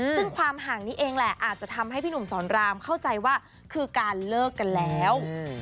ซึ่งความห่างนี้เองแหละอาจจะทำให้พี่หนุ่มสอนรามเข้าใจว่าคือการเลิกกันแล้ว